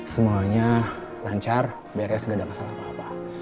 semuanya lancar beres gak ada masalah apa apa